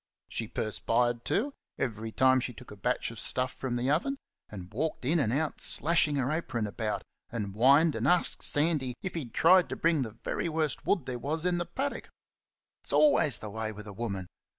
She perspired, too, every time she took a batch of stuff from the oven, and walked in and out slashing her apron about, and whined, and asked Sandy if he had tried to bring the very worst wood there was in the paddock. It's always the way with a woman!